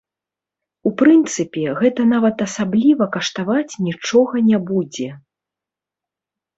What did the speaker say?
У прынцыпе, гэта нават асабліва каштаваць нічога не будзе.